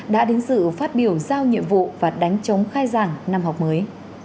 đã đến sự phát biểu giao nhiệm vụ và đánh chống khai giảng năm học mới